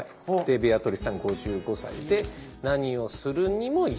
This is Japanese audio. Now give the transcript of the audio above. ベアトリスさん５５歳で「何をするにも一緒」。